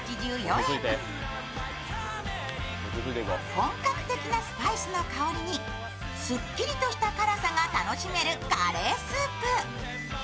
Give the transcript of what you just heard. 本格的なスパイスの香りにすっきりとした辛さが楽しめるカレースープ。